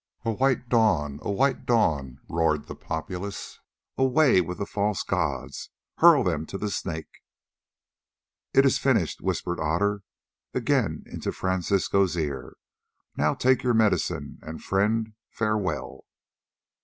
"A white dawn! A white dawn!" roared the populace. "Away with the false gods! Hurl them to the Snake!" "It is finished," whispered Otter again into Francisco's ear; "now take your medicine, and, friend, farewell!"